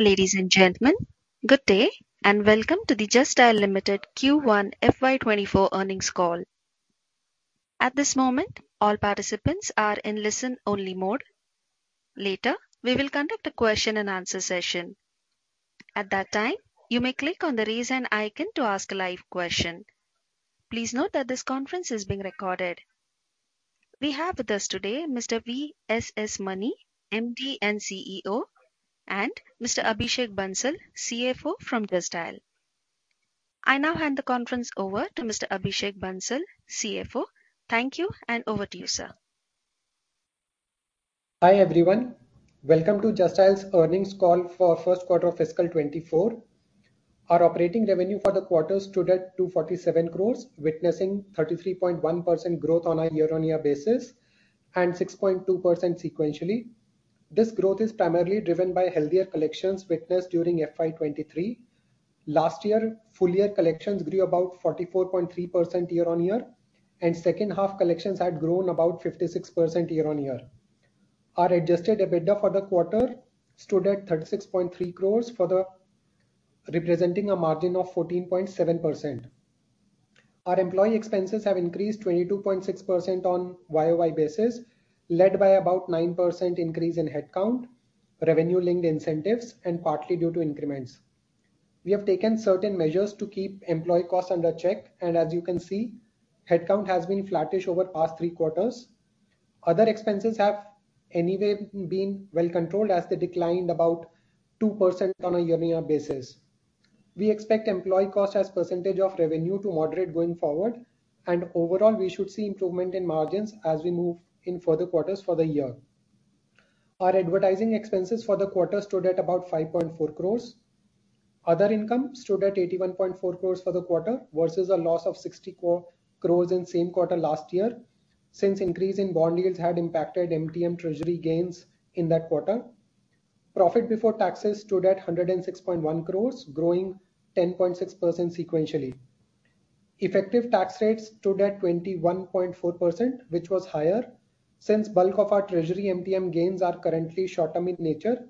Ladies and gentlemen, good day, and welcome to the Just Dial Limited Q1 FY 2024 Earnings Call. At this moment, all participants are in listen-only mode. Later, we will conduct a question and answer session. At that time, you may click on the Raise Hand icon to ask a live question. Please note that this conference is being recorded. We have with us today Mr. VSS Mani, MD and CEO, and Mr. Abhishek Bansal, CFO from Justdial. I now hand the conference over to Mr. Abhishek Bansal, CFO. Thank you, and over to you, sir. Hi, everyone. Welcome to Justdial's Earnings Call for first quarter of fiscal 2024. Our operating revenue for the quarter stood at 247 crores, witnessing 33.1% growth on a year-on-year basis and 6.2% sequentially. This growth is primarily driven by healthier collections witnessed during FY 2023. Last year, full year collections grew about 44.3% year-on-year, and second half collections had grown about 56% year-on-year. Our adjusted EBITDA for the quarter stood at 36.3 crores, representing a margin of 14.7%. Our employee expenses have increased 22.6% on YoY basis, led by about 9% increase in headcount, revenue-linked incentives, and partly due to increments. We have taken certain measures to keep employee costs under check, and as you can see, headcount has been flattish over the past three quarters. Other expenses have anyway been well controlled as they declined about 2% on a year-on-year basis. We expect employee cost as percentage of revenue to moderate going forward, and overall, we should see improvement in margins as we move in further quarters for the year. Our advertising expenses for the quarter stood at about 5.4 crores. Other income stood at 81.4 crores for the quarter versus a loss of 60 crores in same quarter last year, since increase in bond yields had impacted MTM treasury gains in that quarter. Profit before taxes stood at 106.1 crores, growing 10.6% sequentially. Effective tax rates stood at 21.4%, which was higher, since bulk of our treasury MTM gains are currently short term in nature,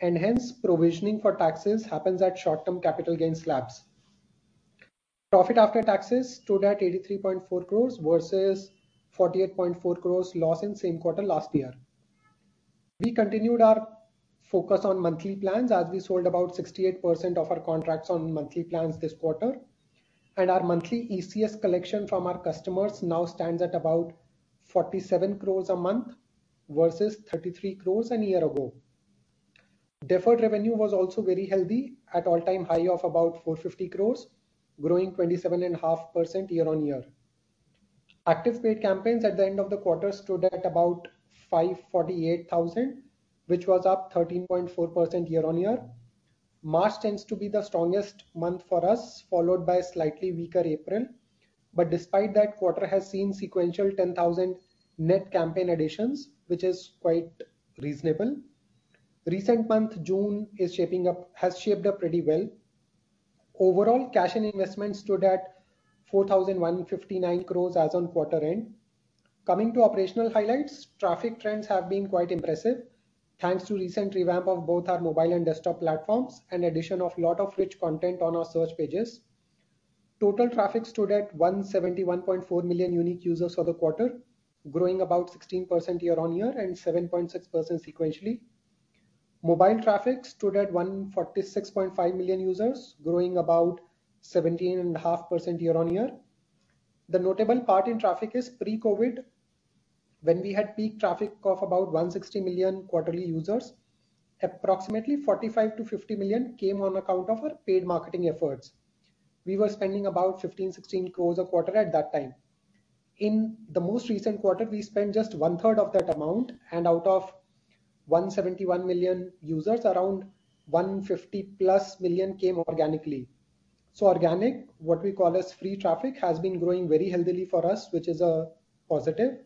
and hence provisioning for taxes happens at short-term capital gains slabs. Profit after taxes stood at 83.4 crores versus 48.4 crores loss in same quarter last year. We continued our focus on monthly plans as we sold about 68% of our contracts on monthly plans this quarter, and our monthly ECS collection from our customers now stands at about 47 crores a month versus 33 crores a year ago. Deferred revenue was also very healthy at all-time high of about 450 crores, growing 27.5% year-on-year. Active paid campaigns at the end of the quarter stood at about 548,000, which was up 13.4% year-on-year. March tends to be the strongest month for us, followed by a slightly weaker April. Despite that quarter has seen sequential 10,000 net campaign additions, which is quite reasonable. Recent month, June, has shaped up pretty well. Overall, cash and investments stood at 4,159 crores as on quarter end. Coming to operational highlights, traffic trends have been quite impressive, thanks to recent revamp of both our mobile and desktop platforms and addition of lot of rich content on our search pages. Total traffic stood at 171.4 million unique users for the quarter, growing about 16% year-on-year and 7.6% sequentially. Mobile traffic stood at 146.5 million users, growing about 17.5% year-on-year. The notable part in traffic is pre-COVID, when we had peak traffic of about 160 million quarterly users, approximately 45 million-50 million came on account of our paid marketing efforts. We were spending about 15 crore-16 crore a quarter at that time. In the most recent quarter, we spent just 1/3 of that amount, and out of 171 million users, around 150+ million came organically. Organic, what we call as free traffic, has been growing very healthily for us, which is a positive.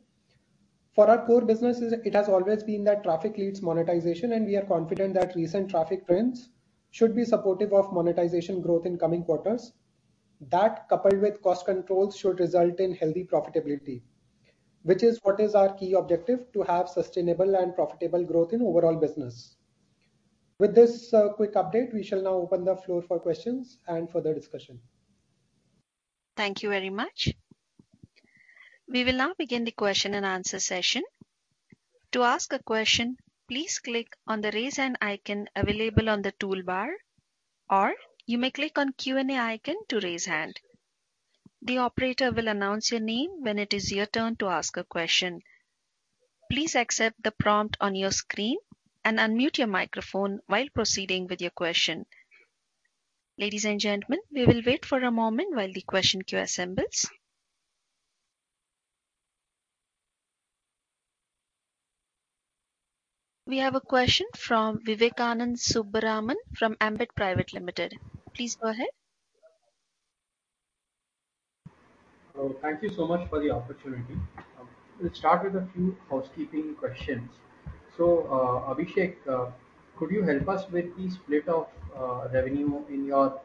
For our core businesses, it has always been that traffic leads monetization, and we are confident that recent traffic trends should be supportive of monetization growth in coming quarters. That, coupled with cost controls, should result in healthy profitability, which is what is our key objective: to have sustainable and profitable growth in overall business. With this, quick update, we shall now open the floor for questions and further discussion. Thank you very much. We will now begin the question and answer session. To ask a question, please click on the Raise Hand icon available on the toolbar, or you may click on Q&A icon to raise hand. The operator will announce your name when it is your turn to ask a question. Please accept the prompt on your screen and unmute your microphone while proceeding with your question. Ladies and gentlemen, we will wait for a moment while the question queue assembles. We have a question from Vivekanand Subbaraman from Ambit Private Limited. Please go ahead. Thank you so much for the opportunity. We'll start with a few housekeeping questions. Abhishek, could you help us with the split of revenue in your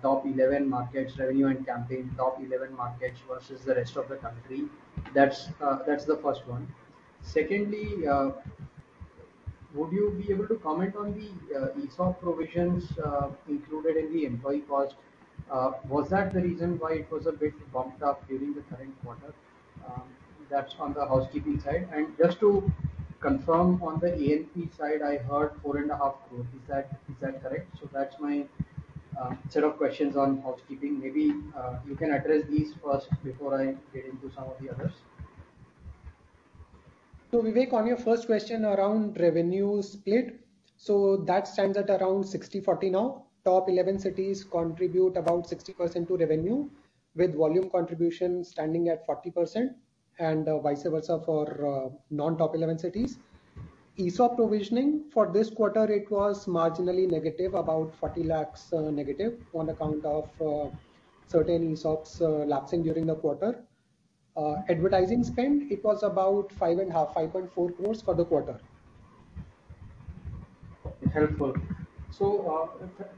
top 11 markets, revenue and campaign, top 11 markets versus the rest of the country. That's the first one. Secondly, would you be able to comment on the ESOP provisions included in the employee cost? Was that the reason why it was a bit bumped up during the current quarter? That's on the housekeeping side. Just to confirm on the A&P side, I heard 4.5 crore. Is that correct? That's my set of questions on housekeeping. Maybe you can address these first before I get into some of the others. Vivek, on your first question around revenue split. That stands at around 60/40 now. Top 11 cities contribute about 60% to revenue, with volume contribution standing at 40%, and vice versa for non-top 11 cities. ESOP provisioning, for this quarter, it was marginally negative, about 40 lakh negative, on account of certain ESOPs lapsing during the quarter. Advertising spend, it was about 5.4 crore for the quarter. Helpful.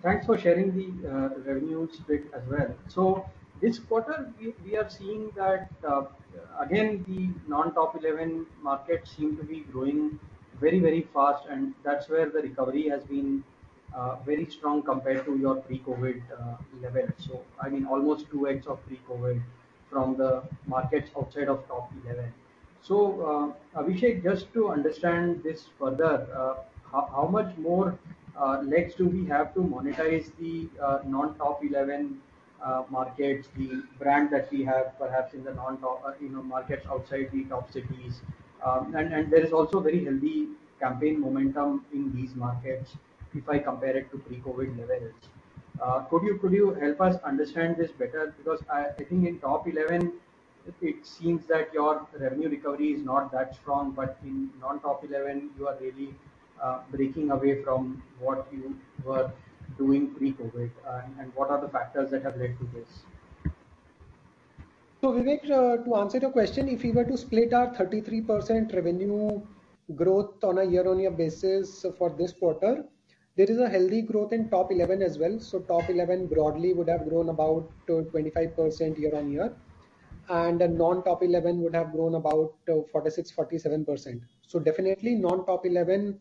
Thanks for sharing the revenue split as well. This quarter, we are seeing that again, the non-top 11 markets seem to be growing very, very fast, and that's where the recovery has been very strong compared to your pre-COVID levels. I mean, almost 2x of pre-COVID from the markets outside of top 11. Abhishek, just to understand this further, how much more legs do we have to monetize the non-top 11 markets, the brand that we have perhaps in the non-top, you know, markets outside the top cities? There is also very healthy campaign momentum in these markets if I compare it to pre-COVID levels. Could you help us understand this better? I think in top 11, it seems that your revenue recovery is not that strong, but in non-top 11, you are really breaking away from what you were doing pre-COVID. What are the factors that have led to this? Vivek, to answer your question, if we were to split our 33% revenue growth on a year-on-year basis for this quarter, there is a healthy growth in top 11 as well. Top eleven broadly would have grown about 25% year-on-year, and the non-top eleven would have grown about 46%, 47%. Definitely, non-top 11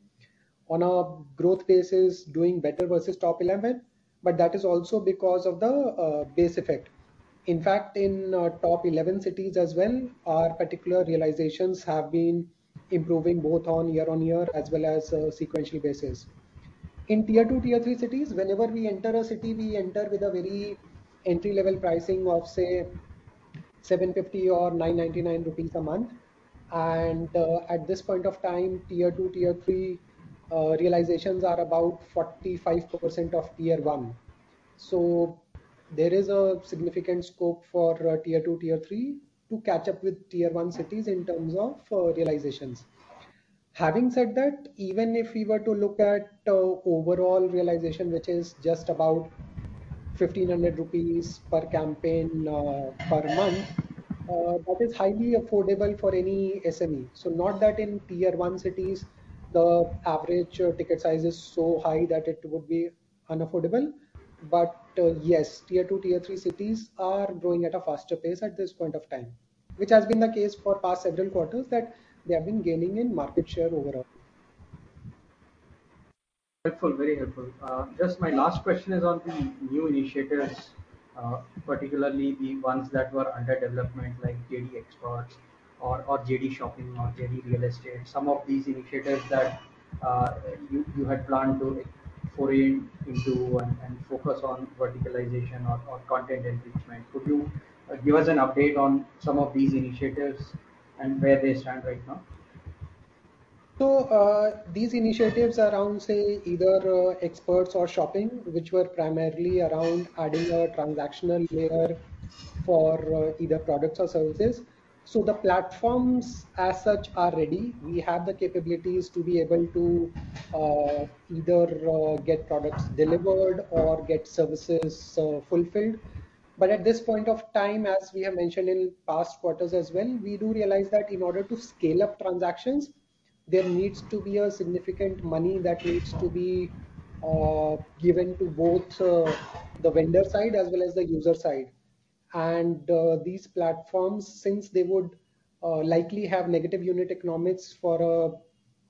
on a growth basis, doing better versus top 11, but that is also because of the base effect. In fact, in top eleven cities as well, our particular realizations have been improving both on year-on-year as well as sequential basis. In Tier 2, Tier 3 cities, whenever we enter a city, we enter with a very entry-level pricing of, say, 750 or 999 rupees a month. At this point of time, Tier 2, Tier 3 realizations are about 45% of Tier 1. There is a significant scope for Tier 2, Tier 3 to catch up with Tier 1 cities in terms of realizations. Having said that, even if we were to look at overall realization, which is just about 1,500 rupees per campaign per month, that is highly affordable for any SME. Not that in Tier 1 cities, the average ticket size is so high that it would be unaffordable. Yes, Tier Two, Tier Three cities are growing at a faster pace at this point of time, which has been the case for past several quarters, that they have been gaining in market share overall. Helpful. Very helpful. Just my last question is on the new initiatives, particularly the ones that were under development, like JDXpert or JD Shopping or JD Real Estate. Some of these initiatives that you had planned to like foray into and focus on verticalization or content enrichment. Could you give us an update on some of these initiatives and where they stand right now? These initiatives around, say, either Xpert or Shopping, which were primarily around adding a transactional layer for either products or services. The platforms as such are ready. We have the capabilities to be able to either get products delivered or get services fulfilled. At this point of time, as we have mentioned in past quarters as well, we do realize that in order to scale up transactions, there needs to be a significant money that needs to be given to both the vendor side as well as the user side. These platforms, since they would likely have negative unit economics for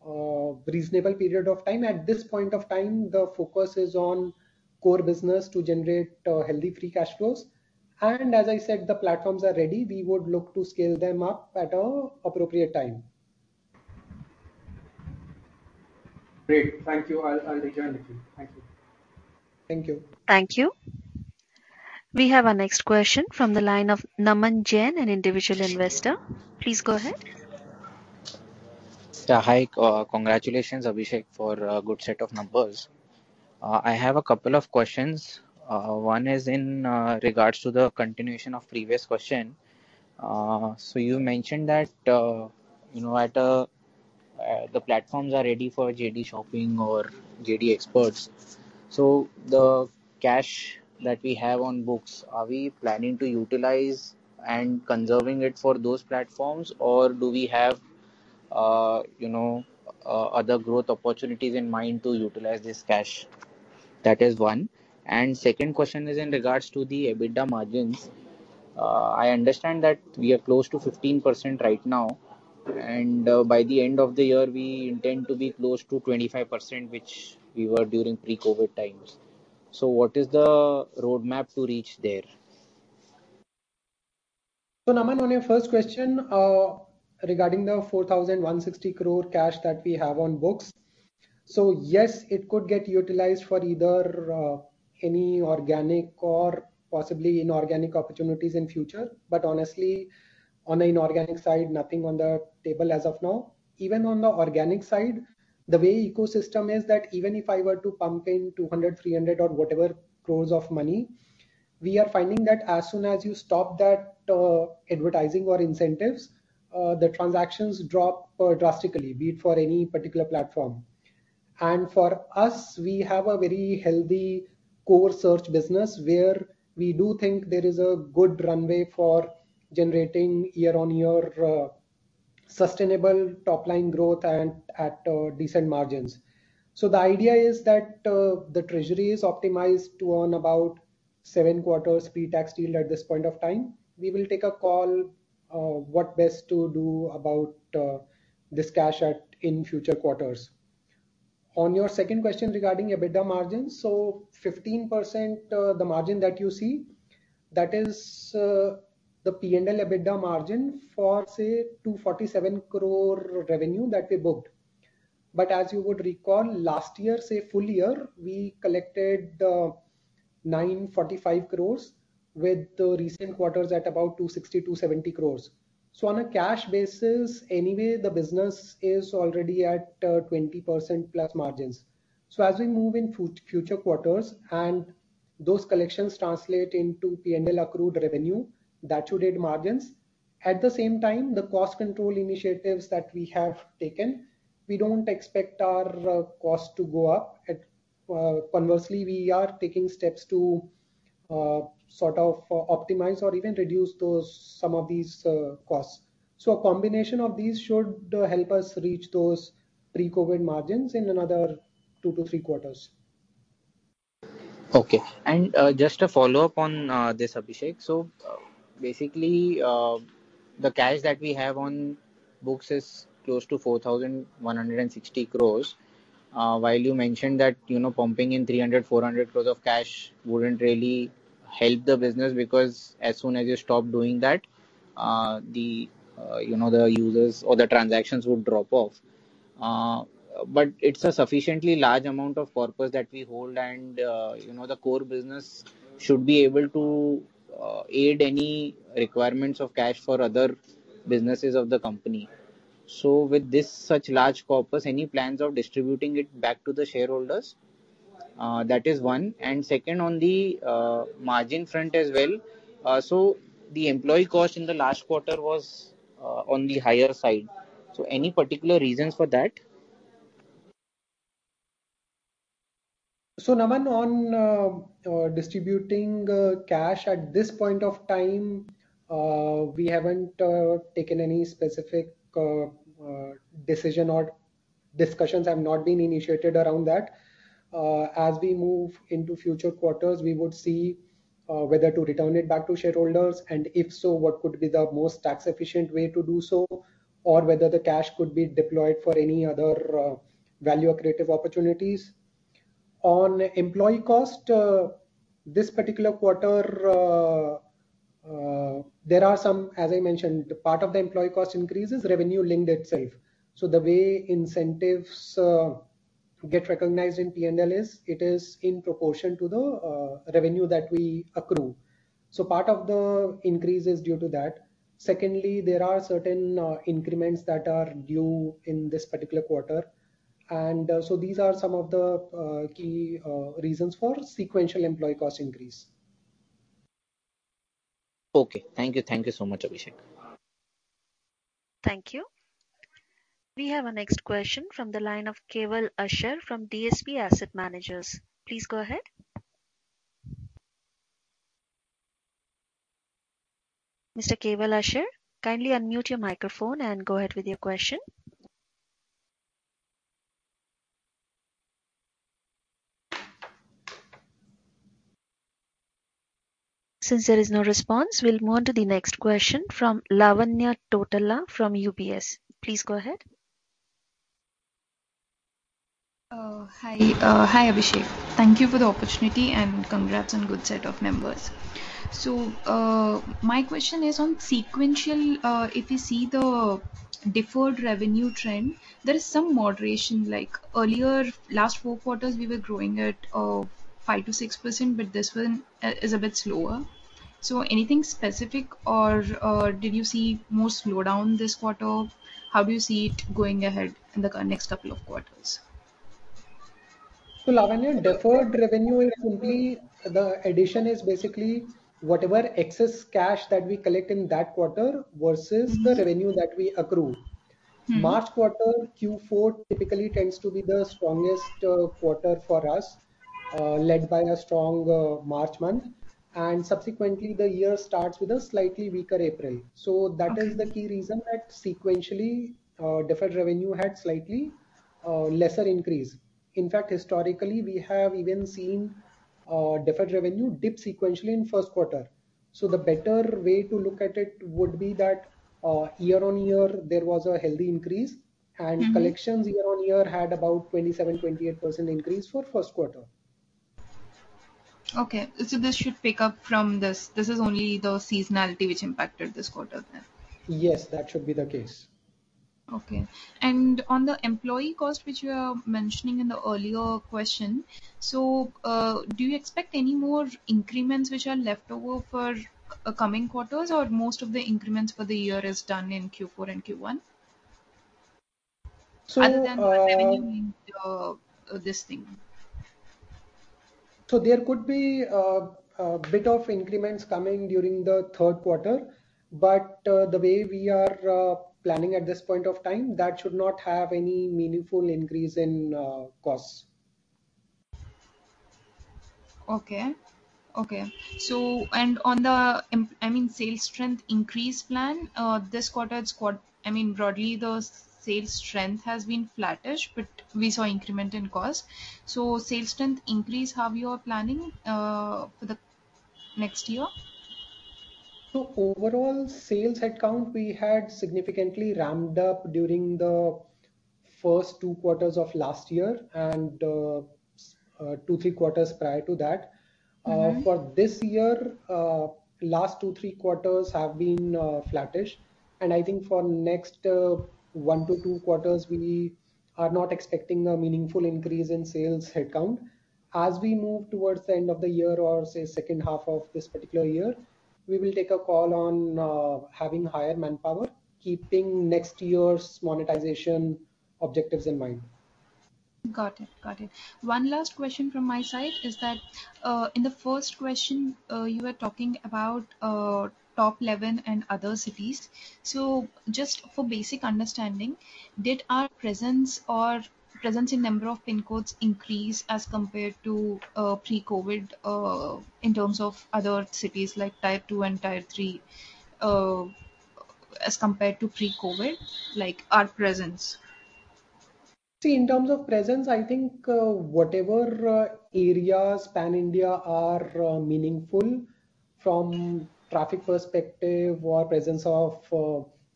a reasonable period of time, at this point of time, the focus is on core business to generate healthy free cash flows. As I said, the platforms are ready. We would look to scale them up at a appropriate time. Great. Thank you. I'll return it to you. Thank you. Thank you. Thank you. We have our next question from the line of Naman Jain, an individual investor. Please go ahead. Hi. Congratulations, Abhishek, for a good set of numbers. I have a couple of questions. One is in regards to the continuation of previous question. So you mentioned that, you know, at the platforms are ready for JD Shopping or JDXpert. So the cash that we have on books, are we planning to utilize and conserving it for those platforms, or do we have, you know, other growth opportunities in mind to utilize this cash? That is one. Second question is in regards to the EBITDA margins. I understand that we are close to 15% right now, and by the end of the year, we intend to be close to 25%, which we were during pre-COVID times. What is the roadmap to reach there? Naman, on your first question, regarding the 4,160 crore cash that we have on books. Yes, it could get utilized for either any organic or possibly inorganic opportunities in future, but honestly, on an inorganic side, nothing on the table as of now. Even on the organic side, the way ecosystem is that even if I were to pump in 200, 300, or whatever crores of money, we are finding that as soon as you stop that advertising or incentives, the transactions drop drastically, be it for any particular platform. For us, we have a very healthy core search business, where we do think there is a good runway for generating year-on-year sustainable top-line growth and at decent margins. The idea is that the treasury is optimized to earn about seven quarters pre-tax deal at this point of time. We will take a call what best to do about this cash in future quarters. On your second question regarding EBITDA margins, 15%, the margin that you see, that is the PNL EBITDA margin for, say, 247 crore revenue that we booked. As you would recall, last year, say, full year, we collected 945 crore, with the recent quarters at about 260, 270 crore. On a cash basis, anyway, the business is already at 20% plus margins. As we move into future quarters and those collections translate into PNL accrued revenue, that should aid margins. At the same time, the cost control initiatives that we have taken, we don't expect our cost to go up. Conversely, we are taking steps to sort of optimize or even reduce those, some of these costs. A combination of these should help us reach those pre-COVID margins in another two to three quarters. Okay. Just a follow-up on, this, Abhishek. Basically, the cash that we have on books is close to 4,160 crore. While you mentioned that, you know, pumping in 300 crore-400 crore of cash wouldn't really help the business, because as soon as you stop doing that, the, you know, the users or the transactions would drop off. But it's a sufficiently large amount of corpus that we hold, and, you know, the core business should be able to aid any requirements of cash for other businesses of the company. With this such large corpus, any plans of distributing it back to the shareholders? That is one. Second, on the margin front as well, the employee cost in the last quarter was on the higher side. Any particular reasons for that? Naman, on distributing cash, at this point of time, we haven't taken any specific decision or discussions have not been initiated around that. As we move into future quarters, we would see whether to return it back to shareholders, and if so, what could be the most tax-efficient way to do so, or whether the cash could be deployed for any other value-accretive opportunities. On employee cost, this particular quarter, as I mentioned, part of the employee cost increase is revenue-linked itself. The way incentives get recognized in PNL is, it is in proportion to the revenue that we accrue. Part of the increase is due to that. Secondly, there are certain increments that are due in this particular quarter. So these are some of the key reasons for sequential employee cost increase. Okay. Thank you. Thank you so much, Abhishek. Thank you. We have our next question from the line of Kewal Asher from DSP Asset Managers. Please go ahead. Mr. Kewal Asher, kindly unmute your microphone and go ahead with your question. There is no response, we'll move on to the next question from Lavanya Tottala from UBS. Please go ahead. Hi. Hi, Abhisek. Thank you for the opportunity, and congrats on good set of numbers. My question is on sequential. If you see the deferred revenue trend, there is some moderation. Like, earlier, last four quarters, we were growing at 5%-6%, but this one is a bit slower. Anything specific or did you see more slowdown this quarter? How do you see it going ahead in the next two quarters? Lavanya, deferred revenue is simply, the addition is basically whatever excess cash that we collect in that quarter versus the revenue that we accrue. Mm-hmm. March quarter, Q4, typically tends to be the strongest, quarter for us. led by a strong, March month, and subsequently, the year starts with a slightly weaker April. That is the key reason that sequentially, our deferred revenue had slightly, lesser increase. In fact, historically, we have even seen, deferred revenue dip sequentially in first quarter. The better way to look at it would be that, year-on-year, there was a healthy increase. Mm-hmm. Collections year-over-year had about 27%-28% increase for first quarter. Okay, this should pick up from this. This is only the seasonality which impacted this quarter then? Yes, that should be the case. Okay. On the employee cost, which you were mentioning in the earlier question, do you expect any more increments which are left over for coming quarters, or most of the increments for the year is done in Q4 and Q1? So, uh- Other than the revenue in, this thing. There could be a bit of increments coming during the third quarter. The way we are planning at this point of time, that should not have any meaningful increase in costs. Okay. Okay. On the I mean, sales strength increase plan, this quarter, I mean, broadly, the sales strength has been flattish, but we saw increment in cost. Sales strength increase, how you are planning for the next year? Overall, sales headcount, we had significantly ramped up during the first two quarters of last year and two, three quarters prior to that. Mm-hmm. For this year, last two, three quarters have been flattish. I think for next one to two quarters, we are not expecting a meaningful increase in sales headcount. As we move towards the end of the year or, say, second half of this particular year, we will take a call on having higher manpower, keeping next year's monetization objectives in mind. Got it. Got it. One last question from my side is that, in the first question, you were talking about top 11 and other cities. Just for basic understanding, did our presence or presence in number of PIN codes increase as compared to pre-COVID, in terms of other cities like Tier 2 and Tier 3, as compared to pre-COVID, like, our presence? In terms of presence, I think, whatever areas pan-India are meaningful from traffic perspective or presence of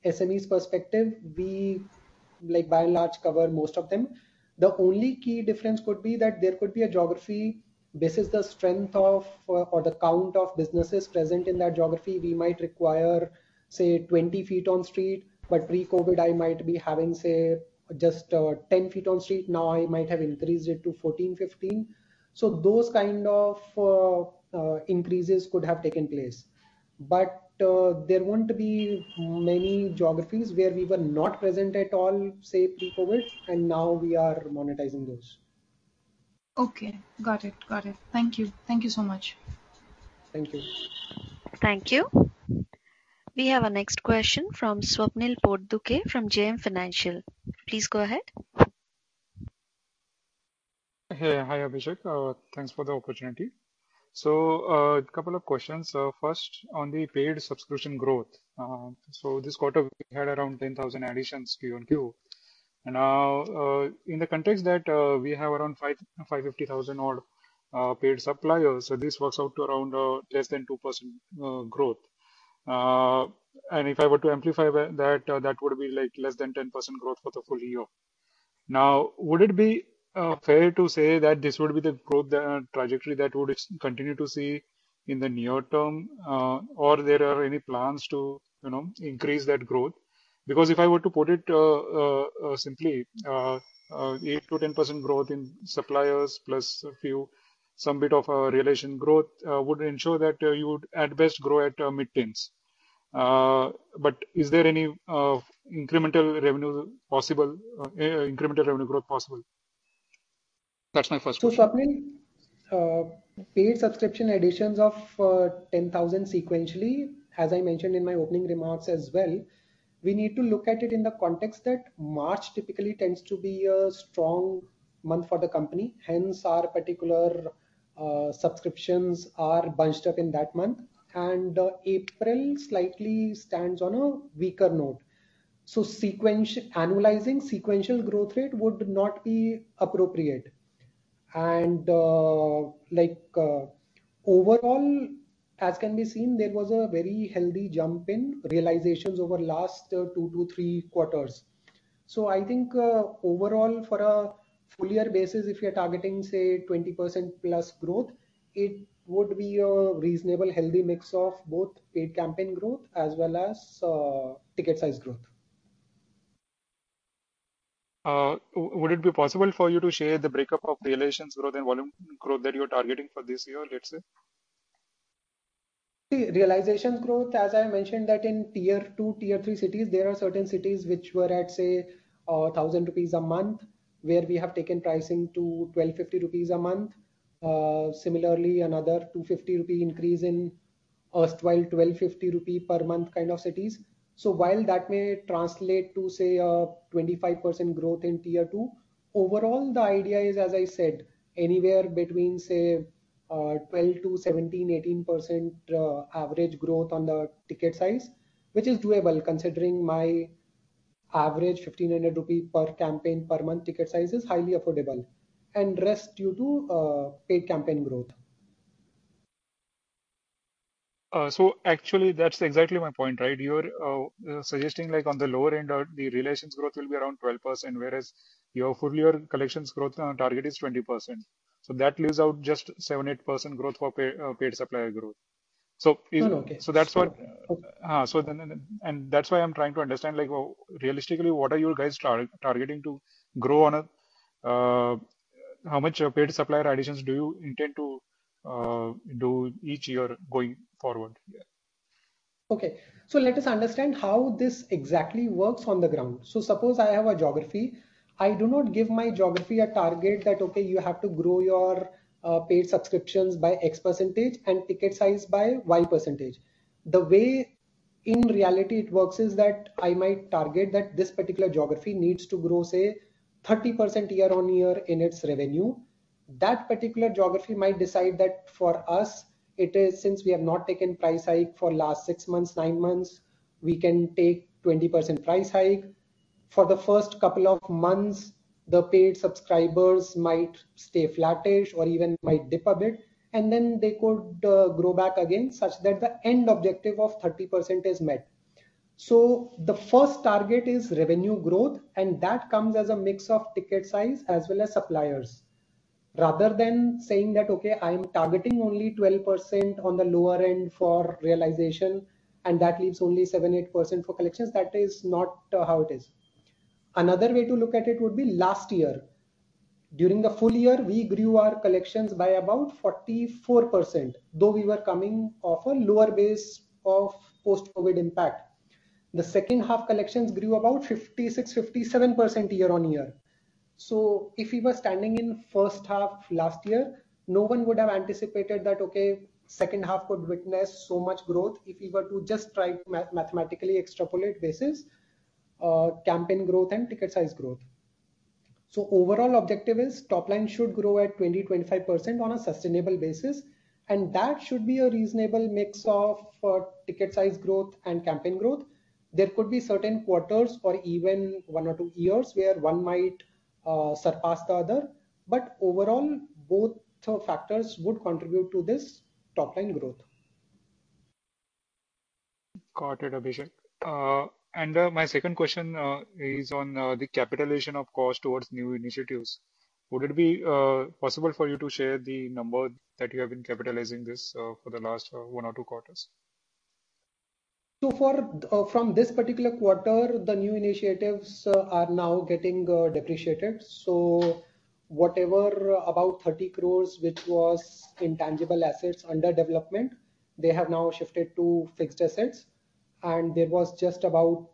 SMEs perspective, we, like, by and large, cover most of them. The only key difference could be that there could be a geography, basis the strength of, or the count of businesses present in that geography, we might require, say, 20 ft on street, but pre-COVID, I might be having, say, just 10 ft on street. Now, I might have increased it to 14, 15. Those kind of increases could have taken place. There won't be many geographies where we were not present at all, say, pre-COVID, and now we are monetizing those. Okay. Got it. Got it. Thank you. Thank you so much. Thank you. Thank you. We have our next question from Swapnil Potdukhe from JM Financial. Please go ahead. Hey. Hi, Abhishek. Thanks for the opportunity. A couple of questions. First, on the paid subscription growth. This quarter, we had around 10,000 additions QoQ. In the context that we have around 550,000 odd paid suppliers, this works out to around less than 2% growth. If I were to amplify that would be, like, less than 10% growth for the full year. Would it be fair to say that this would be the growth trajectory that would continue to see in the near term, or there are any plans to, you know, increase that growth? If I were to put it simply, 8%-10% growth in suppliers, plus a few, some bit of realization growth, would ensure that you would at best grow at mid-teens. Is there any incremental revenue possible, incremental revenue growth possible? That's my first question. Swapnil, paid subscription additions of 10,000 sequentially, as I mentioned in my opening remarks as well, we need to look at it in the context that March typically tends to be a strong month for the company. Hence, our particular subscriptions are bunched up in that month. April slightly stands on a weaker note. Annualizing sequential growth rate would not be appropriate. Like, overall, as can be seen, there was a very healthy jump in realizations over last two to three quarters. I think, overall, for a full year basis, if you're targeting, say, 20%+ growth, it would be a reasonable, healthy mix of both paid campaign growth as well as ticket size growth. Would it be possible for you to share the breakup of the realizations growth and volume growth that you're targeting for this year, let's say? See, realizations growth, as I mentioned, that in Tier 2, Tier 3 cities, there are certain cities which were at, say, 1,000 rupees a month, where we have taken pricing to 1,250 rupees a month. Similarly, another 250 rupee increase while 1,250 rupee per month kind of cities. While that may translate to, say, a 25% growth in Tier 2, overall, the idea is, as I said, anywhere between, say, 12%-17%, 18% average growth on the ticket size, which is doable, considering my average 1,500 rupee per campaign per month ticket size is highly affordable. Rest due to paid campaign growth. Actually, that's exactly my point, right? You're, suggesting, like, on the lower end, of the relations growth will be around 12%, whereas your full year collections growth, target is 20%. That leaves out just 7%-8% growth for paid supplier growth. Oh, okay. That's why I'm trying to understand, like, realistically, what are you guys targeting to grow on a-- how much paid supplier additions do you intend to do each year going forward? Okay. Let us understand how this exactly works on the ground. Suppose I have a geography, I do not give my geography a target that, okay, you have to grow your paid subscriptions by X% and ticket size by Y%. The way in reality it works is that I might target that this particular geography needs to grow, say, 30% year-on-year in its revenue. That particular geography might decide that for us, it is since we have not taken price hike for last six months, nine months, we can take 20% price hike. For the first couple of months, the paid subscribers might stay flattish or even might dip a bit, and then they could grow back again such that the end objective of 30% is met. The first target is revenue growth, and that comes as a mix of ticket size as well as suppliers. Rather than saying that, "Okay, I'm targeting only 12% on the lower end for realization, and that leaves only 7%, 8% for collections," that is not how it is. Another way to look at it would be last year. During the full year, we grew our collections by about 44%, though we were coming off a lower base of post-COVID impact. The second half collections grew about 56%, 57% year-on-year. If we were standing in first half last year, no one would have anticipated that, okay, second half could witness so much growth if we were to just try mathematically extrapolate basis, campaign growth and ticket size growth. Overall objective is top-line should grow at 20%-25% on a sustainable basis, and that should be a reasonable mix of ticket size growth and campaign growth. There could be certain quarters or even one or two years where one might surpass the other, but overall, both factors would contribute to this top-line growth. Got it, Abhishek. My second question is on the capitalization of cost towards new initiatives. Would it be possible for you to share the number that you have been capitalizing this for the last one or two quarters? From this particular quarter, the new initiatives are now getting depreciated. Whatever, about 30 crore, which was intangible assets under development, they have now shifted to fixed assets. There was just about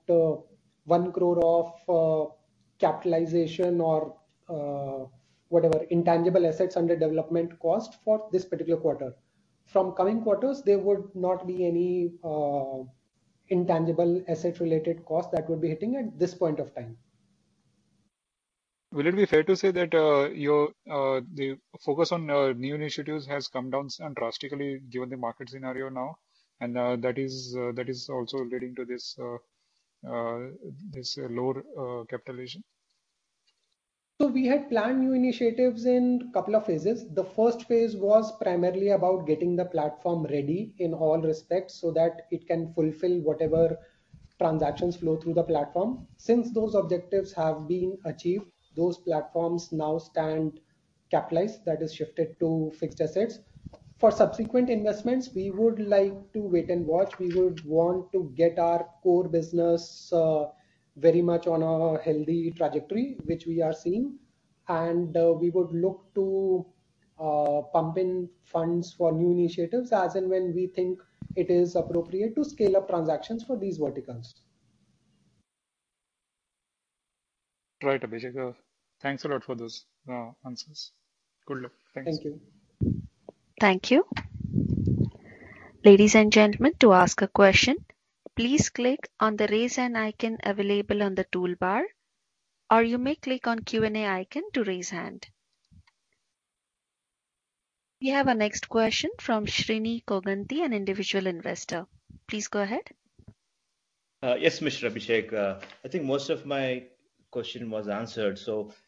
1 crore of capitalization or whatever, intangible assets under development cost for this particular quarter. From coming quarters, there would not be any intangible asset-related cost that would be hitting at this point of time. Will it be fair to say that, your, the focus on, new initiatives has come down drastically given the market scenario now, and, that is also leading to this lower, capitalization? We had planned new initiatives in couple of phases. The phase I was primarily about getting the platform ready in all respects so that it can fulfill whatever transactions flow through the platform. Since those objectives have been achieved, those platforms now stand capitalized, that is shifted to fixed assets. For subsequent investments, we would like to wait and watch. We would want to get our core business, very much on a healthy trajectory, which we are seeing, and we would look to pump in funds for new initiatives as and when we think it is appropriate to scale up transactions for these verticals. Right, Abhishek. Thanks a lot for those answers. Good luck. Thanks. Thank you. Thank you. Ladies and gentlemen, to ask a question, please click on the Raise Hand icon available on the toolbar, or you may click on Q&A icon to raise hand. We have our next question from Srini Koganti, an individual investor. Please go ahead. Yes, Mr. Abhishek. I think most of my question was answered.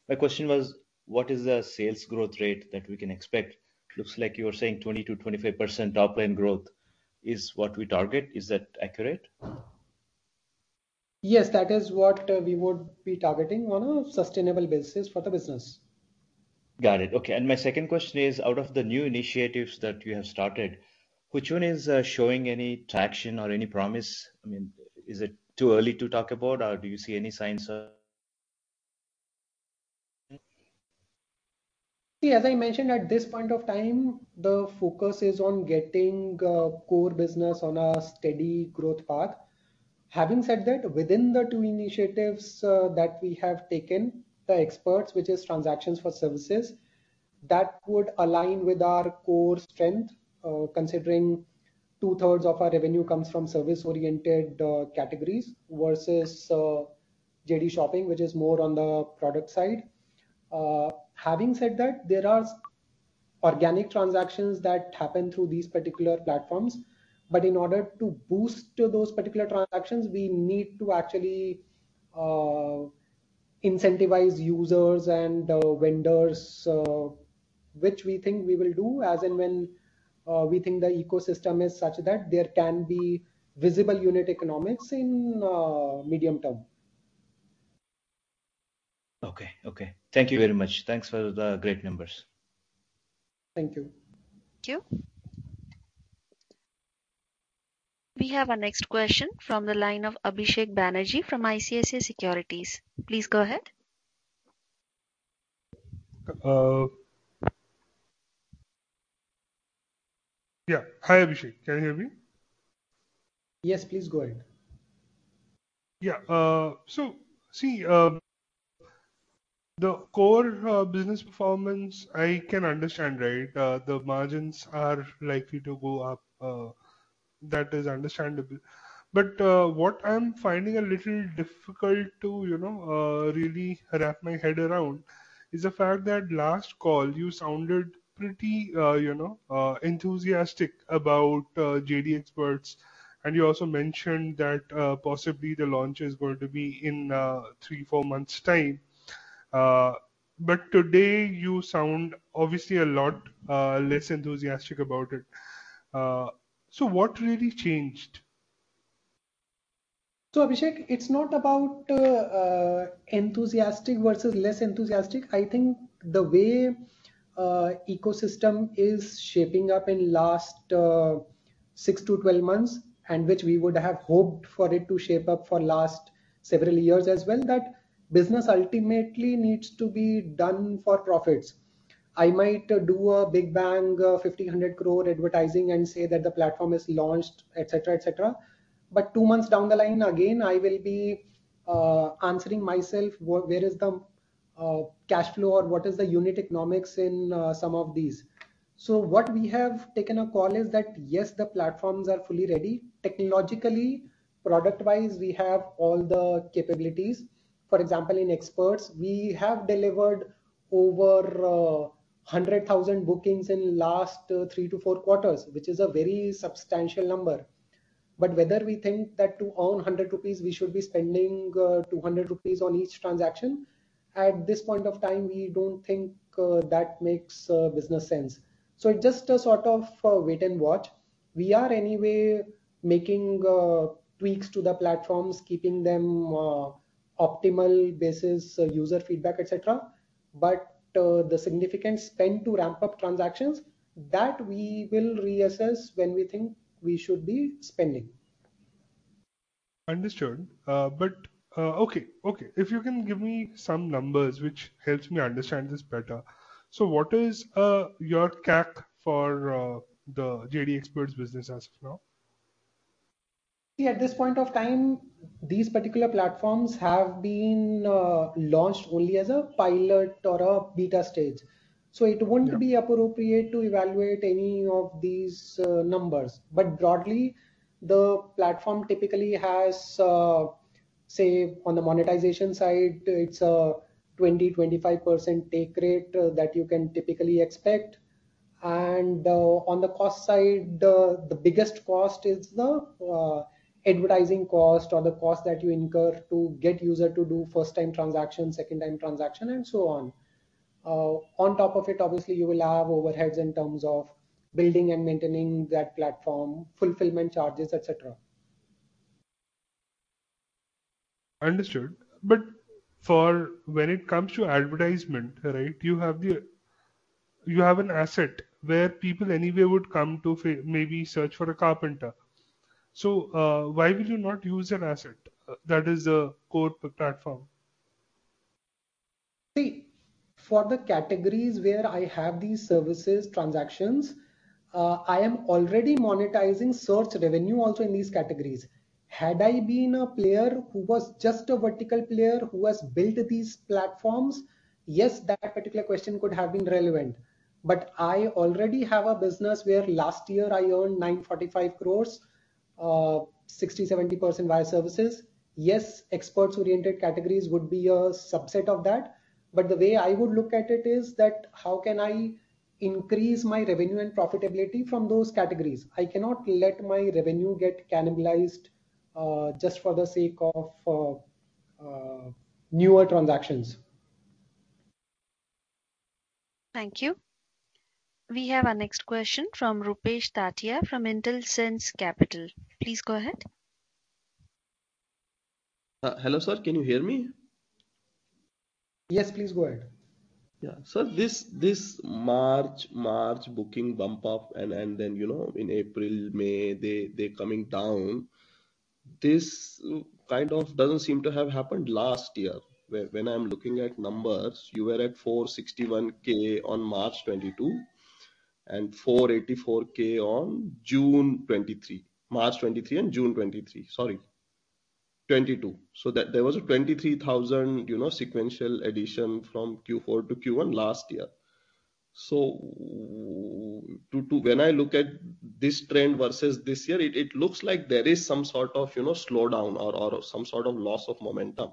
My question was, what is the sales growth rate that we can expect? Looks like you were saying 20%-25% top-line growth is what we target. Is that accurate? Yes, that is what, we would be targeting on a sustainable basis for the business. Got it. Okay, my second question is, out of the new initiatives that you have started, which one is showing any traction or any promise? I mean, is it too early to talk about, or do you see any signs? As I mentioned, at this point of time, the focus is on getting core business on a steady growth path. Within the two initiatives that we have taken, the Xpert, which is transactions for services, that would align with our core strength, considering 2/3 of our revenue comes from service-oriented categories versus JD Shopping, which is more on the product side. There are organic transactions that happen through these particular platforms, but in order to boost those particular transactions, we need to actually incentivize users and vendors, which we think we will do as and when we think the ecosystem is such that there can be visible unit economics in medium term. Okay. Okay. Thank you very much. Thanks for the great numbers. Thank you. Thank you. We have our next question from the line of Abhishek Banerjee from ICICI Securities. Please go ahead. Yeah. Hi, Abhishek. Can you hear me? Yes, please go ahead. Yeah, see, the core business performance, I can understand, right? The margins are likely to go up, that is understandable. What I'm finding a little difficult to, you know, really wrap my head around, is the fact that last call, you sounded pretty, you know, enthusiastic about JDXpert, and you also mentioned that, possibly the launch is going to be in three, four months time. Today you sound obviously a lot less enthusiastic about it. What really changed? Abhishek, it's not about enthusiastic versus less enthusiastic. I think the way ecosystem is shaping up in last six to 12 months, and which we would have hoped for it to shape up for last several years as well, that business ultimately needs to be done for profits. I might do a big bang 5,000 crore advertising and say that the platform is launched, et cetera, et cetera, but two months down the line, again, I will be answering myself: where is the cash flow, or what is the unit economics in some of these? What we have taken a call is that, yes, the platforms are fully ready. Technologically, product-wise, we have all the capabilities. For example, in JDXpert, we have delivered over 100,000 bookings in last three to four quarters, which is a very substantial number. Whether we think that to own 100 rupees, we should be spending 200 rupees on each transaction, at this point of time, we don't think that makes business sense. It's just a sort of wait and watch. We are anyway making tweaks to the platforms, keeping them optimal basis, user feedback, et cetera. The significant spend to ramp up transactions, that we will reassess when we think we should be spending. Understood. Okay, okay. If you can give me some numbers, which helps me understand this better. What is your CAC for the JDXpert business as of now? At this point of time, these particular platforms have been launched only as a pilot or a beta stage. Yeah. It wouldn't be appropriate to evaluate any of these numbers. Broadly, the platform typically has, say, on the monetization side, it's 20%-25% take rate that you can typically expect. On the cost side, the biggest cost is the advertising cost or the cost that you incur to get user to do first-time transaction, second-time transaction, and so on. On top of it, obviously, you will have overheads in terms of building and maintaining that platform, fulfillment charges, et cetera. Understood. For when it comes to advertisement, right, you have an asset where people anyway would come to maybe search for a carpenter. Why would you not use an asset that is a core platform? See, for the categories where I have these services transactions, I am already monetizing source revenue also in these categories. Had I been a player who was just a vertical player, who has built these platforms, yes, that particular question could have been relevant. I already have a business where last year I earned 945 crore, 60%-70% via services. Yes, experts-oriented categories would be a subset of that, but the way I would look at it is that: How can I increase my revenue and profitability from those categories? I cannot let my revenue get cannibalized, just for the sake of newer transactions. Thank you. We have our next question from Rupesh Tatia from Intelsense Capital. Please go ahead. Hello, sir, can you hear me? Yes, please go ahead. Yeah. This March booking bump up and then, you know, in April, May, they're coming down. This kind of doesn't seem to have happened last year. When I'm looking at numbers, you were at 461K on March 2022. 484K on June 2023. March 2023 and June 2023, sorry, 2022. That there was a 23,000, you know, sequential addition from Q4 to Q1 last year. To, when I look at this trend versus this year, it looks like there is some sort of, you know, slowdown or some sort of loss of momentum.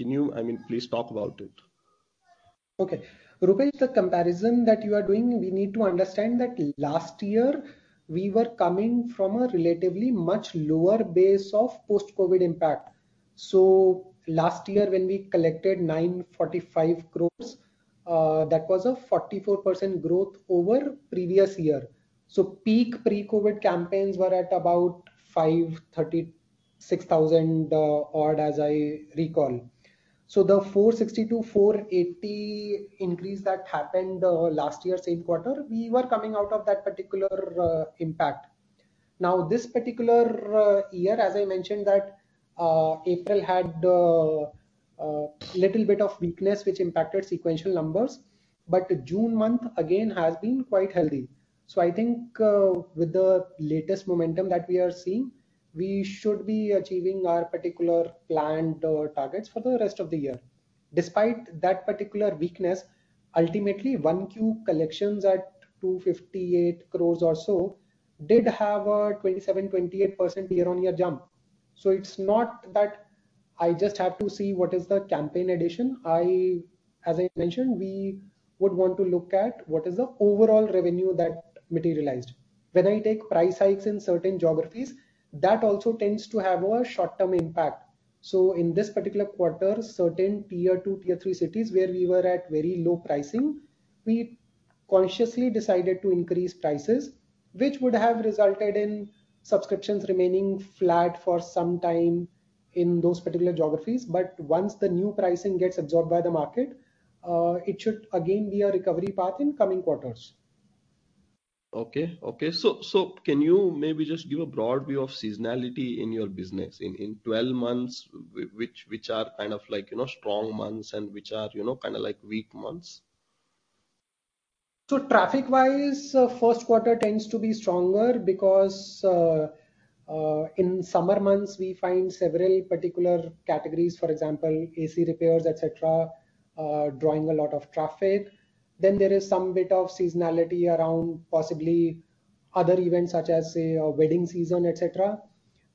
I mean, please talk about it. Okay. Rupesh, the comparison that you are doing, we need to understand that last year we were coming from a relatively much lower base of post-COVID impact. Last year, when we collected 945 crore, that was a 44% growth over previous year. Peak pre-COVID campaigns were at about 536,000, odd, as I recall. The 460 to 480 increase that happened, last year, same quarter, we were coming out of that particular impact. Now, this particular year, as I mentioned, that April had little bit of weakness, which impacted sequential numbers, but June month again has been quite healthy. I think, with the latest momentum that we are seeing, we should be achieving our particular planned targets for the rest of the year. Despite that particular weakness, ultimately, 1Q collections at 258 crore or so, did have a 27%-28% year-on-year jump. It's not that I just have to see what is the campaign addition. As I mentioned, we would want to look at what is the overall revenue that materialized. When I take price hikes in certain geographies, that also tends to have a short-term impact. In this particular quarter, certain Tier 2, Tier 3 cities, where we were at very low pricing, we consciously decided to increase prices, which would have resulted in subscriptions remaining flat for some time in those particular geographies. Once the new pricing gets absorbed by the market, it should again be a recovery path in coming quarters. Okay. Can you maybe just give a broad view of seasonality in your business? In 12 months, which are kind of like, you know, strong months and which are, you know, kind of like weak months. Traffic-wise, first quarter tends to be stronger because in summer months, we find several particular categories, for example, AC repairs, et cetera, drawing a lot of traffic. There is some bit of seasonality around possibly other events, such as, say, a wedding season, et cetera.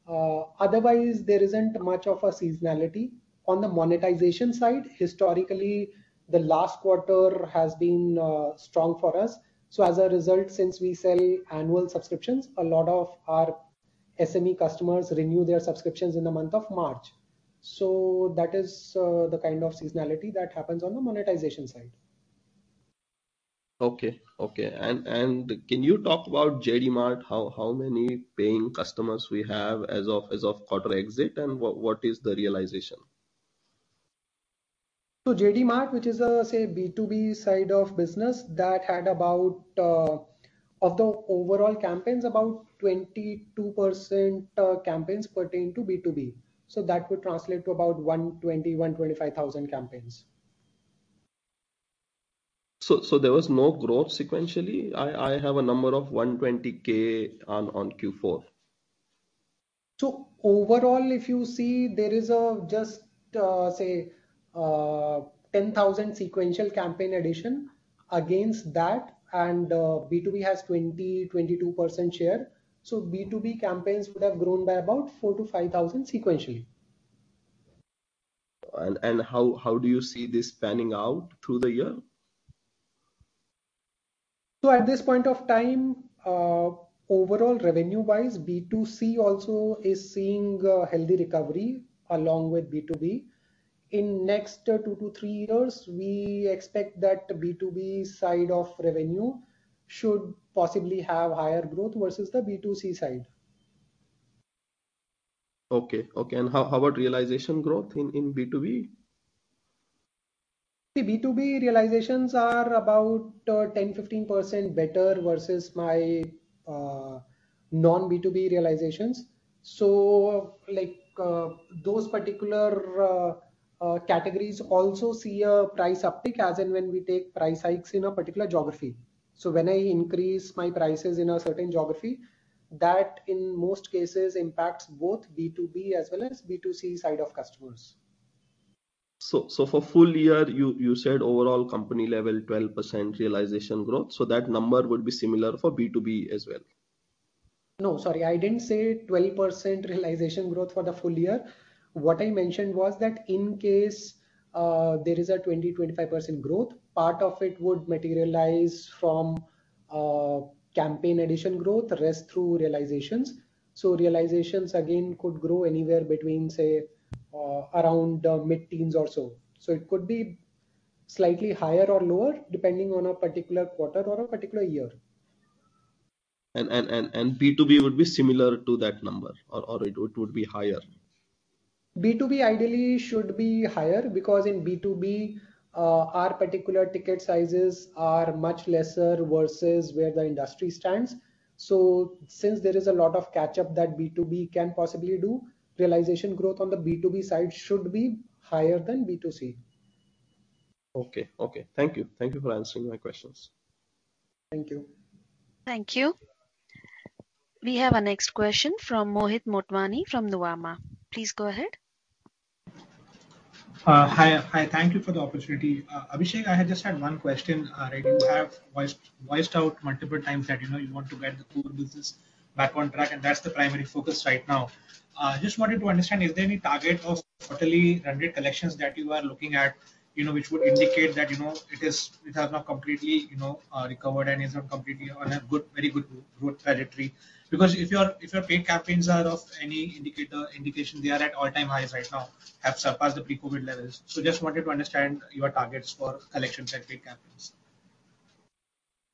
Otherwise, there isn't much of a seasonality. On the monetization side, historically, the last quarter has been strong for us. As a result, since we sell annual subscriptions, a lot of our SME customers renew their subscriptions in the month of March. That is the kind of seasonality that happens on the monetization side. Okay, okay. Can you talk about JD Mart, how many paying customers we have as of quarter exit, and what is the realization? JD Mart, which is a, say, B2B side of business, that had about of the overall campaigns, about 22% campaigns pertain to B2B, that would translate to about 120,000 to 125,000 campaigns. There was no growth sequentially? I have a number of 120K on Q4. Overall, if you see, there is a just 10,000 sequential campaign addition against that, and B2B has 20-22% share. B2B campaigns would have grown by about 4,000 to 5,000 sequentially. How do you see this panning out through the year? At this point of time, overall revenue-wise, B2C also is seeing a healthy recovery along with B2B. In next, two to three years, we expect that B2B side of revenue should possibly have higher growth versus the B2C side. Okay, okay. How about realization growth in B2B? The B2B realizations are about 10%-15% better versus my non-B2B realizations. Those particular categories also see a price uptick, as in when we take price hikes in a particular geography. When I increase my prices in a certain geography, that, in most cases, impacts both B2B as well as B2C side of customers. For full year, you said overall company level, 12% realization growth, so that number would be similar for B2B as well? Sorry, I didn't say 12% realization growth for the full year. What I mentioned was that in case, there is a 20%-25% growth, part of it would materialize from campaign addition growth, the rest through realizations. Realizations, again, could grow anywhere between, say, around mid-teens or so. It could be slightly higher or lower, depending on a particular quarter or a particular year. B2B would be similar to that number or it would be higher? B2B ideally should be higher, because in B2B, our particular ticket sizes are much lesser versus where the industry stands. Since there is a lot of catch-up that B2B can possibly do, realization growth on the B2B side should be higher than B2C. Okay. Okay, thank you. Thank you for answering my questions. Thank you. Thank you. We have our next question from Mohit Motwani, from Nuvama. Please go ahead. Hi, hi. Thank you for the opportunity. Abhishek, I had just had one question. Right, you have voiced out multiple times that, you know, you want to get the core business back on track, and that's the primary focus right now. Just wanted to understand, is there any target of quarterly revenue collections that you are looking at, you know, which would indicate that, you know, it has now completely, you know, recovered and is now completely on a good, very good growth trajectory? If your paid campaigns are of any indicator, indication, they are at all-time highs right now, have surpassed the pre-COVID levels. Just wanted to understand your targets for collections and paid campaigns.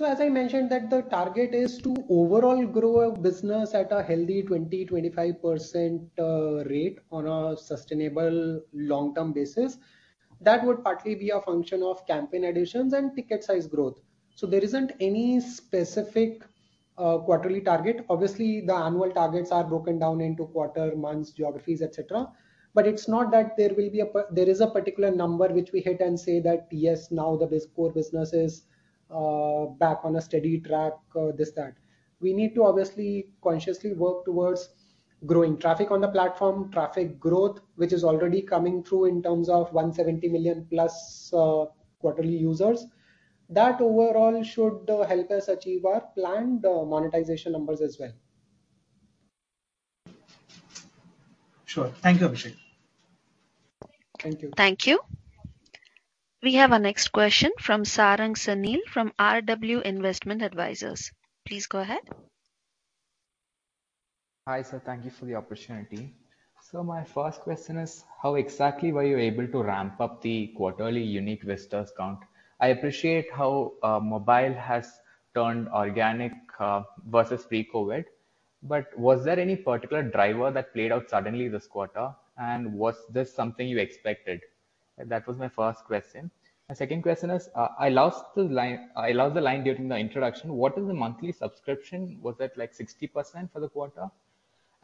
As I mentioned, that the target is to overall grow our business at a healthy 20%-25% rate on a sustainable long-term basis. That would partly be a function of campaign additions and ticket size growth. There isn't any specific quarterly target. Obviously, the annual targets are broken down into quarter, months, geographies, et cetera. It's not that there is a particular number which we hit and say that: "Yes, now the core business is back on a steady track," this, that. We need to obviously, consciously work towards growing traffic on the platform, traffic growth, which is already coming through in terms of 170 million+ quarterly users. That overall should help us achieve our planned monetization numbers as well. Sure. Thank you, Abhishek. Thank you. Thank you. We have our next question from Sarang Sunil, from RW Investment Advisors. Please go ahead. Hi, sir, thank you for the opportunity. My first question is: How exactly were you able to ramp up the quarterly unique visitors count? I appreciate how mobile has turned organic versus pre-COVID, but was there any particular driver that played out suddenly this quarter, and was this something you expected? That was my first question. My second question is, I lost the line during the introduction. What is the monthly subscription? Was that, like, 60% for the quarter?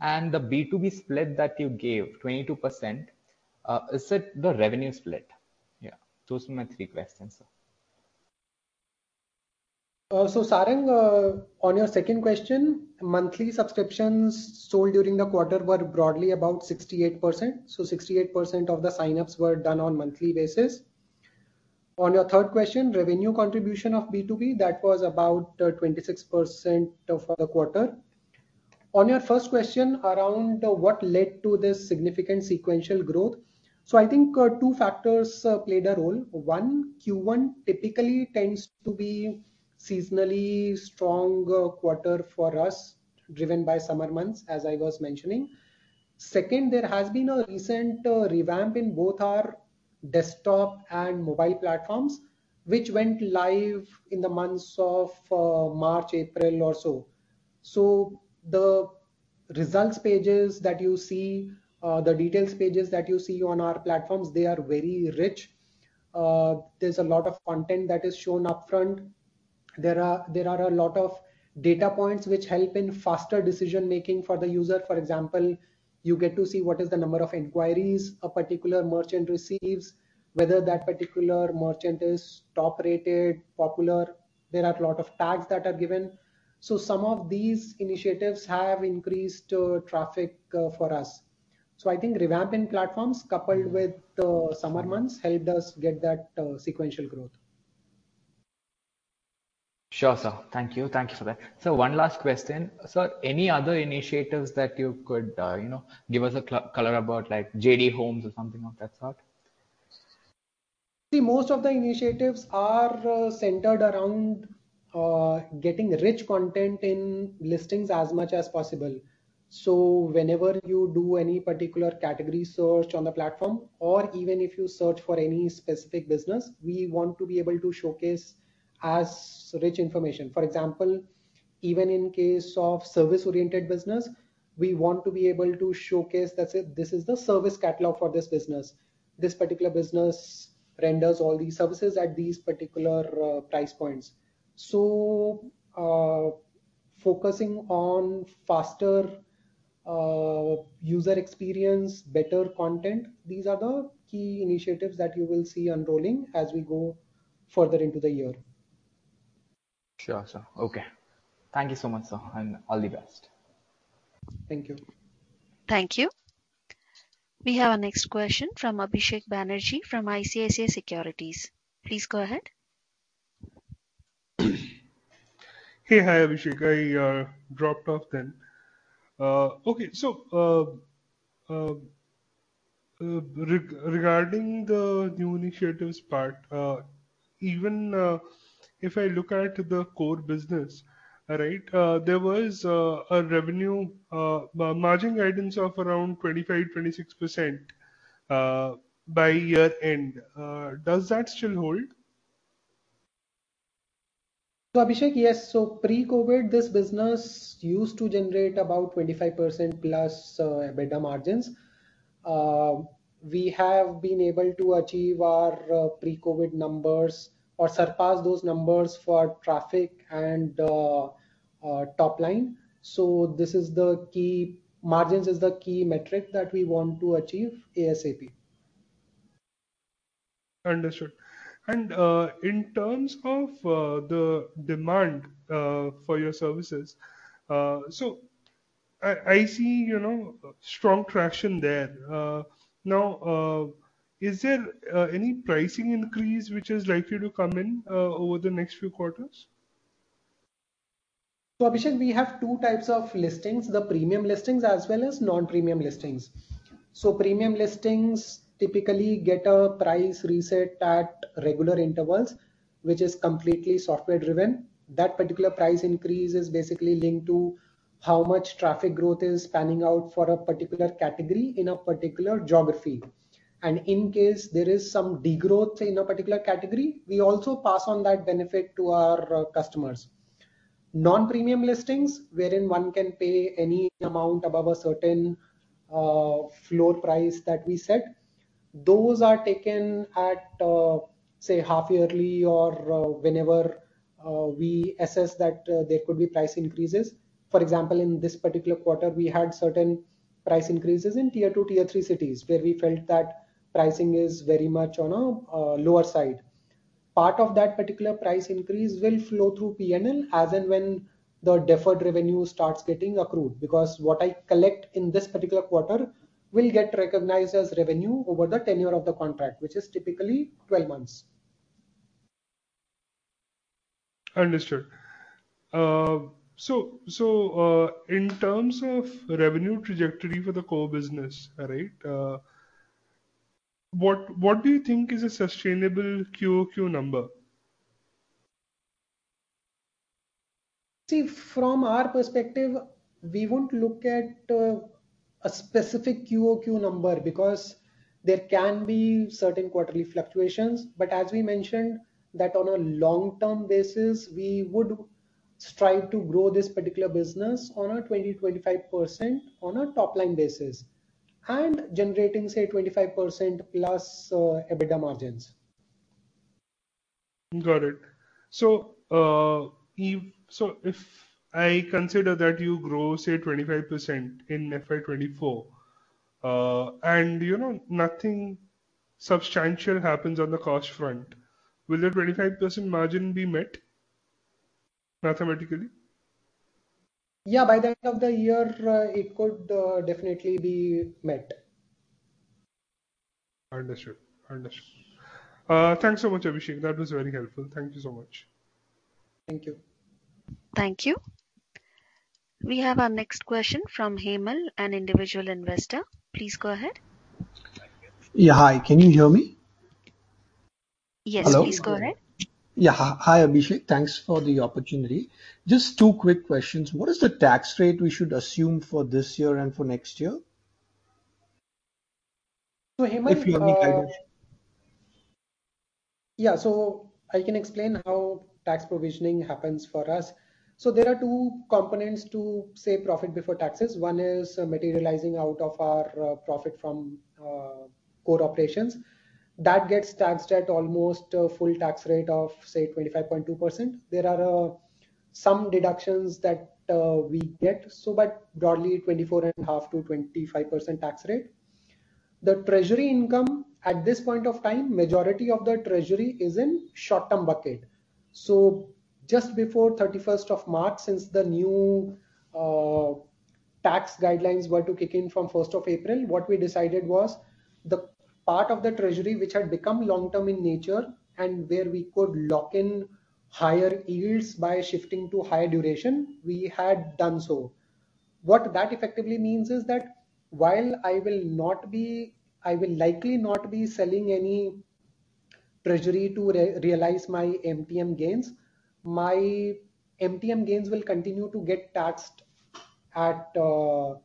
The B2B split that you gave, 22%, is it the revenue split? Yeah, those were my three questions, sir. So Sarang, on your second question, monthly subscriptions sold during the quarter were broadly about 68%, so 68% of the sign-ups were done on monthly basis. On your third question, revenue contribution of B2B, that was about 26% for the quarter. On your first question, around what led to this significant sequential growth, I think two factors played a role. One, Q1 typically tends to be seasonally stronger quarter for us, driven by summer months, as I was mentioning. Second, there has been a recent revamp in both our desktop and mobile platforms, which went live in the months of March, April, or so. The results pages that you see, the details pages that you see on our platforms, they are very rich. There's a lot of content that is shown upfront. There are a lot of data points which help in faster decision-making for the user. For example, you get to see what is the number of inquiries a particular merchant receives, whether that particular merchant is top-rated, popular. There are a lot of tags that are given. Some of these initiatives have increased traffic for us. I think revamping platforms, coupled with the summer months, helped us get that sequential growth. Sure, sir. Thank you. Thank you for that. Sir, one last question. Sir, any other initiatives that you could, you know, give us a color about, like JD Homes or something of that sort? See, most of the initiatives are centered around getting rich content in listings as much as possible. Whenever you do any particular category search on the platform, or even if you search for any specific business, we want to be able to showcase as rich information. For example, even in case of service-oriented business, we want to be able to showcase that, say, this is the service catalog for this business. This particular business renders all these services at these particular price points. Focusing on faster user experience, better content, these are the key initiatives that you will see unrolling as we go further into the year. Sure, sir. Okay. Thank you so much, sir. All the best. Thank you. Thank you. We have our next question from Abhishek Banerjee, from ICICI Securities. Please go ahead. Hey, hi, Abhishek. I dropped off then. Regarding the new initiatives part, even if I look at the core business, right, there was a revenue margin guidance of around 25%-26% by year-end. Does that still hold? Abhishek, yes, pre-COVID, this business used to generate about 25% plus EBITDA margins. We have been able to achieve our pre-COVID numbers or surpass those numbers for traffic and our top line. This is the key, margins is the key metric that we want to achieve ASAP. Understood. In terms of the demand for your services, I see, you know, strong traction there. Is there any pricing increase which is likely to come in over the next few quarters? Abhishek, we have two types of listings: the premium listings as well as non-premium listings. Premium listings typically get a price reset at regular intervals, which is completely software-driven. That particular price increase is basically linked to how much traffic growth is panning out for a particular category in a particular geography. In case there is some degrowth in a particular category, we also pass on that benefit to our customers. Non-premium listings, wherein one can pay any amount above a certain floor price that we set, those are taken at, say, half-yearly or whenever we assess that there could be price increases. For example, in this particular quarter, we had certain price increases in Tier 2, Tier 3 cities, where we felt that pricing is very much on a lower side. Part of that particular price increase will flow through PNL as and when the deferred revenue starts getting accrued. What I collect in this particular quarter will get recognized as revenue over the tenure of the contract, which is typically 12 months. Understood. In terms of revenue trajectory for the core business, right, what do you think is a sustainable QoQ number? From our perspective, we won't look at a specific QoQ number because there can be certain quarterly fluctuations. As we mentioned, that on a long-term basis, we would strive to grow this particular business on a 20%-25% on a top-line basis, and generating, say, 25%+ EBITDA margins. Got it. If I consider that you grow, say, 25% in FY 2024, and, you know, nothing substantial happens on the cost front, will the 25% margin be met mathematically? Yeah, by the end of the year, it could, definitely be met. Understood. Understood. Thanks so much, Abhishek. That was very helpful. Thank you so much. Thank you. Thank you. We have our next question from Hemal, an individual investor. Please go ahead. Yeah, hi. Can you hear me? Yes- Hello. Please go ahead. Yeah. Hi, Abhishek. Thanks for the opportunity. Just two quick questions. What is the tax rate we should assume for this year and for next year? Hemal. If you can guide us. I can explain how tax provisioning happens for us. There are two components to, say, profit before taxes. One is materializing out of our profit from core operations. That gets taxed at almost a full tax rate of, say, 25.2%. There are some deductions that we get, but broadly, 24.5%-25% tax rate. The treasury income, at this point of time, majority of the treasury is in short-term bucket. Just before 31st of March, since the new tax guidelines were to kick in from 1st of April, what we decided was the part of the treasury which had become long-term in nature, and where we could lock in higher yields by shifting to higher duration, we had done so. What that effectively means is that while I will not be... I will likely not be selling any treasury to realize my MTM gains, my MTM gains will continue to get taxed at a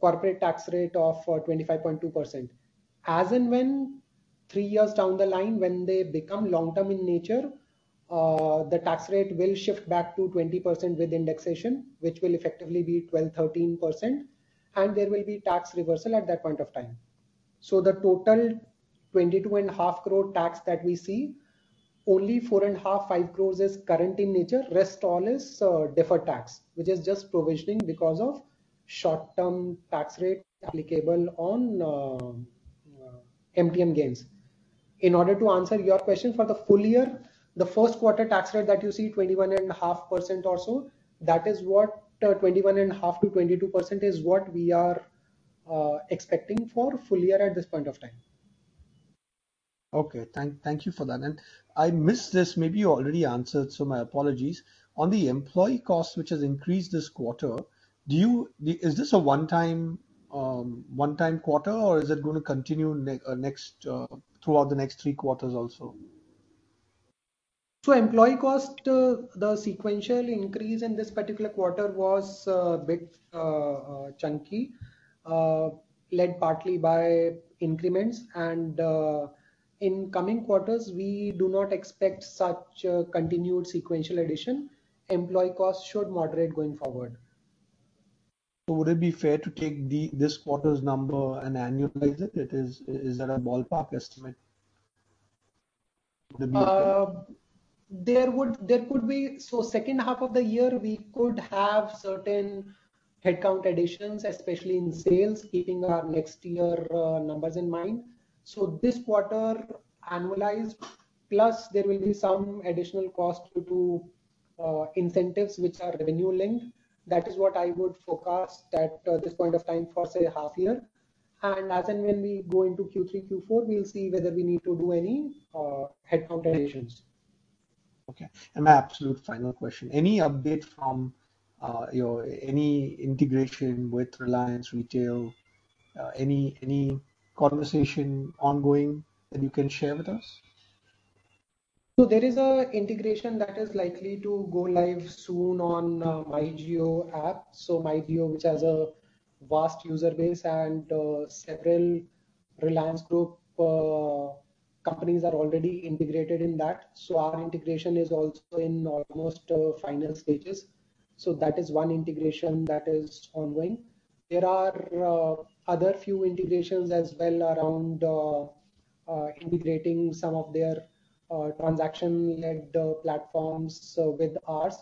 corporate tax rate of 25.2%. As and when, three years down the line, when they become long-term in nature, the tax rate will shift back to 20% with indexation, which will effectively be 12%, 13%, and there will be tax reversal at that point of time. The total 22.5 crore tax that we see, only 4.5, five crores is current in nature. Rest all is deferred tax, which is just provisioning because of short-term tax rate applicable on MTM gains. In order to answer your question, for the full year, the first quarter tax rate that you see, 21.5% or so, that is what, 21.5%-22% is what we are expecting for full year at this point of time. Okay. Thank you for that. I missed this, maybe you already answered, my apologies. On the employee cost, which has increased this quarter, is this a one-time quarter, or is it going to continue next throughout the next three quarters also? Employee cost, the sequential increase in this particular quarter was a bit chunky, led partly by increments. In coming quarters, we do not expect such a continued sequential addition. Employee costs should moderate going forward. Would it be fair to take the, this quarter's number and annualize it? Is that a ballpark estimate? Would that be okay? There could be. Second half of the year, we could have certain headcount additions, especially in sales, keeping our next year numbers in mind. This quarter, annualized, plus there will be some additional cost due to incentives which are revenue-linked. That is what I would forecast at this point of time for, say, half year. As and when we go into Q3, Q4, we'll see whether we need to do any headcount additions. Okay. My absolute final question: Any update from any integration with Reliance Retail? Any conversation ongoing that you can share with us? There is a integration that is likely to go live soon on MyJio app. MyJio, which has a vast user base and several Reliance group companies are already integrated in that. Our integration is also in almost final stages. That is one integration that is ongoing. There are other few integrations as well around integrating some of their transaction-led platforms, so with ours,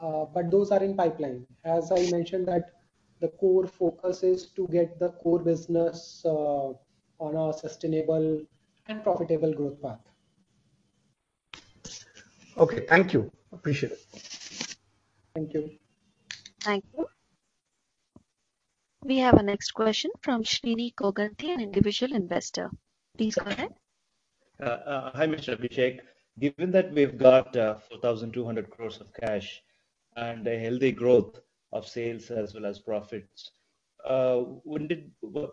but those are in pipeline. As I mentioned that the core focus is to get the core business on a sustainable and profitable growth path. Okay. Thank you. Appreciate it. Thank you. Thank you. We have our next question from Srini Koganti, an individual investor. Please go ahead. Hi, Mr. Abhishek. Given that we've got 4,200 crore of cash and a healthy growth of sales as well as profits, wouldn't it?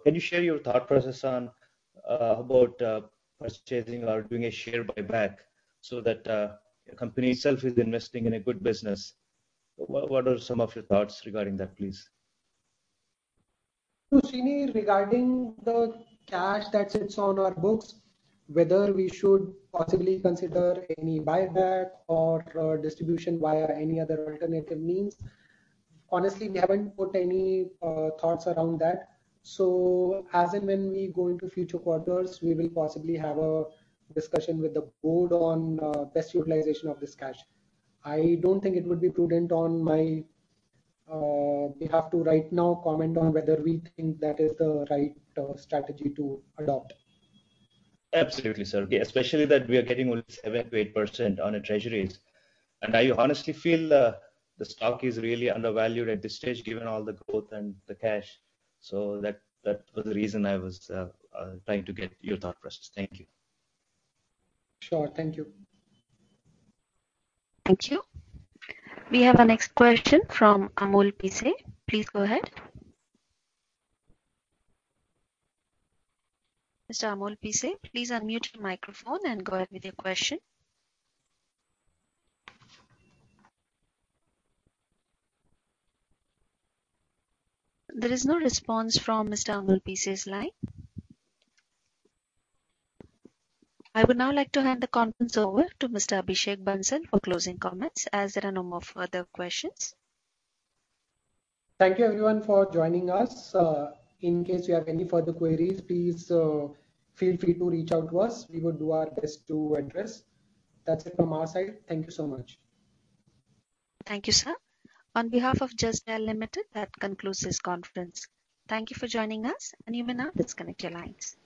Can you share your thought process on about purchasing or doing a share buyback so that the company itself is investing in a good business? What are some of your thoughts regarding that, please? Srini, regarding the cash that sits on our books, whether we should possibly consider any buyback or distribution via any other alternative means, honestly, we haven't put any thoughts around that. As and when we go into future quarters, we will possibly have a discussion with the board on best utilization of this cash. I don't think it would be prudent on my behalf to right now comment on whether we think that is the right strategy to adopt. Absolutely, sir. Yeah, especially that we are getting only 7%-8% on the treasuries. I honestly feel, the stock is really undervalued at this stage, given all the growth and the cash. That was the reason I was trying to get your thought process. Thank you. Sure. Thank you. Thank you. We have our next question from Amol Pise. Please go ahead. Mr. Amol Pise, please unmute your microphone and go ahead with your question. There is no response from Mr. Amol Pise's line. I would now like to hand the conference over to Mr. Abhishek Bansal for closing comments, as there are no more further questions. Thank you, everyone, for joining us. In case you have any further queries, please feel free to reach out to us. We will do our best to address. That's it from our side. Thank you so much. Thank you, sir. On behalf of Justdial Limited, that concludes this conference. Thank you for joining us, and you may now disconnect your lines.